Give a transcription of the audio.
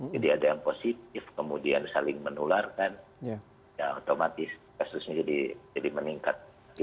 jadi ada yang positif kemudian saling menularkan ya otomatis kasusnya jadi meningkat